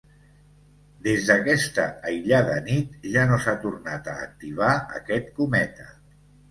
Des d'aquesta aïllada nit, ja no s'ha tornat a activar aquest cometa.